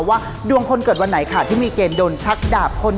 ว่าดวงคนเกิดวันไหนค่ะที่มีเกณฑ์โดนชักดาบคน